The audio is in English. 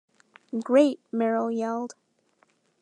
'Great,' Merrill yelled.